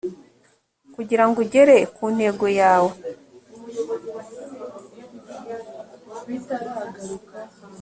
kugirango ugere ku ntego yawo